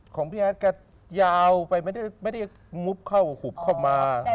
ของพี่แอดก็ยาวไปไม่ได้งุบเข้าหุบเข้ามา